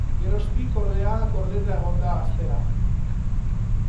Geroztik, ordea, gordeta egon da gaztea.